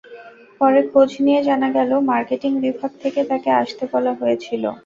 পরে খোঁজ নিয়ে জানা গেল, মার্কেটিং বিভাগ থেকে তাঁকে আসতে বলা হয়েছিল।